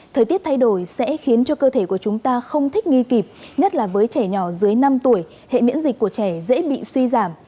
thời tiết thay đổi sẽ khiến cho cơ thể của chúng ta không thích nghi kịp nhất là với trẻ nhỏ dưới năm tuổi hệ miễn dịch của trẻ dễ bị suy giảm